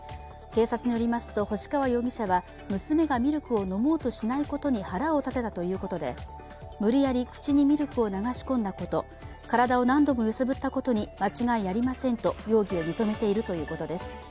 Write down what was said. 警察によりますと星川容疑者は娘がミルクを飲もうとしないことに腹を立てたということで、無理やり口にミルクを流し込んだこと、体を何度も揺さぶったことに間違いありませんと容疑を認めているということです。